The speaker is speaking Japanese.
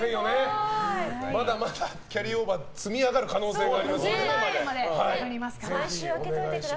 まだまだキャリーオーバーが積み上がる可能性がありますから。